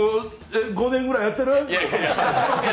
５年ぐらいやってる？